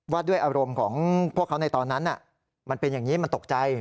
ด้วยอารมณ์ของพวกเขาในตอนนั้นมันเป็นอย่างนี้มันตกใจ